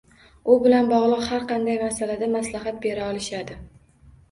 Ular bilan bog’liq har qanday masalada maslahat bera olishadi